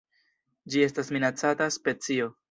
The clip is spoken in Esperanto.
Ĝi estas minacata specio.